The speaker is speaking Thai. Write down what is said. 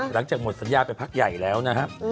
หลังจากหมดสัญญาไปพักใหญ่แล้วนะครับ